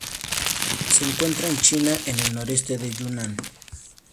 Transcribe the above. Se encuentra en China en el noroeste de Yunnan.